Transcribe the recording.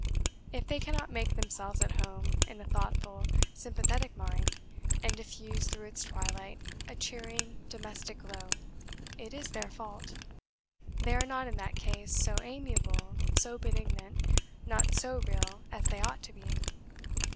If they cannot make themselves at home in a thoughtful, sympathetic mind, and diffuse through its twilight a cheering, domestic glow, it is their fault; they are not, in that case, so amiable, so benignant, not so real as they ought to be.